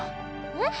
えっ？